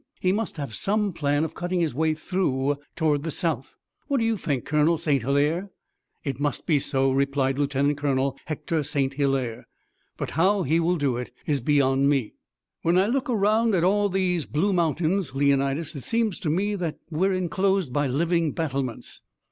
He must have some plan of cutting his way through toward the south. What do you think, Colonel St. Hilaire?" "It must be so," replied Lieutenant Colonel Hector St. Hilaire, "but how he will do it is beyond me. When I look around at all these blue mountains, Leonidas, it seems to me that we're enclosed by living battlements."